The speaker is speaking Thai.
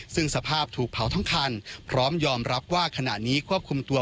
ซึ่งสภาพถูกเผาทั้งคันพร้อมยอมรับว่าขณะนี้ควบคุมตัว